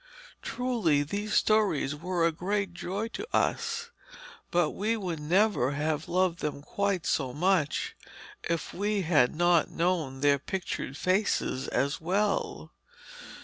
Truly those stories were a great joy to us, but we would never have loved them quite so much if we had not known their pictured faces as well.